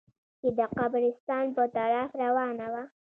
چې د قبرستان په طرف روانه وه.